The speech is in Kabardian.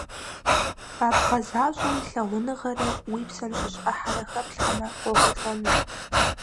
А бгъэзащӀэм лъагъуныгъэрэ уи псэм щыщ Ӏыхьэрэ хэплъхьэмэ, къохъулӀэнущ.